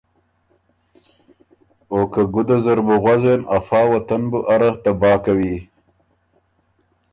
او که ګُده زر بُو غؤزېن ا فا وطن بُو اره تباه کوی۔